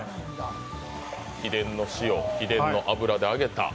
秘伝の塩、秘伝の油で揚げた。